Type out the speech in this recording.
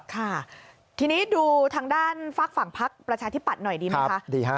ค่ะทีนี้ดูทางด้านฝากฝั่งพักประชาธิปัตย์หน่อยดีไหมคะดีฮะ